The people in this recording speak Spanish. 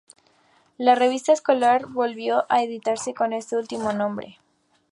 La revista escolar volvió a editarse con este último nombre.